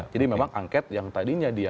jadi memang angket yang tadinya dia